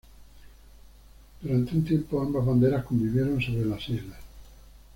Por un tiempo ambas banderas convivieron sobre las islas.